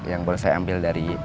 yang boleh saya ambil dari